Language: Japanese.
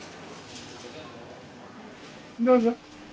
どうぞ。